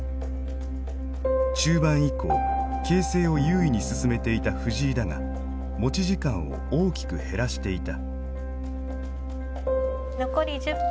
中盤以降形勢を優位に進めていた藤井だが持ち時間を大きく減らしていた。